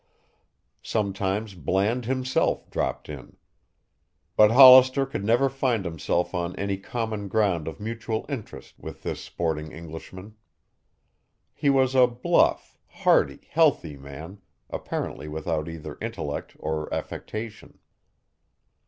Sometimes Bland himself dropped in. But Hollister could never find himself on any common ground of mutual interest with this sporting Englishman. He was a bluff, hearty, healthy man, apparently without either intellect or affectation.